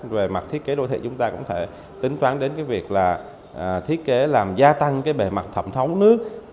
về mặt thiết kế đô thị chúng ta cũng thể tính toán đến việc thiết kế làm gia tăng bề mặt thẩm thấu nước